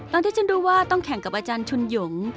ที่ฉันรู้ว่าต้องแข่งกับอาจารย์ชุนหยง